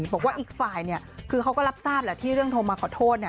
บอกว่าอีกฝ่ายคือเขาก็รับทราบแหละที่เรื่องโทรมาขอโทษ